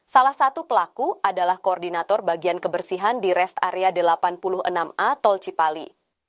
salah satu pelaku adalah koordinator bagian kebersihan di rest area delapan puluh enam a tol cipali